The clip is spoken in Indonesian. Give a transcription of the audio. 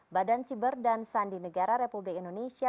badan siber dan sandi negara republik indonesia